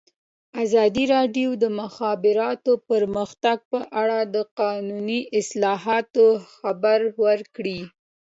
ازادي راډیو د د مخابراتو پرمختګ په اړه د قانوني اصلاحاتو خبر ورکړی.